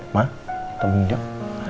ma kita menginjak